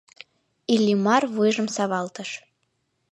Иллимар вуйжым савалтыш.